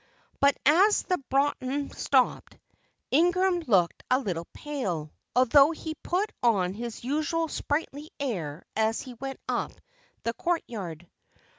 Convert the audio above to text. But as the brougham stopped, Ingram looked a little pale, although he put on his usual sprightly air as he went up the courtyard.